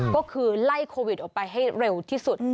ก็คือไล่โควิดออกไปให้เร็วที่สุด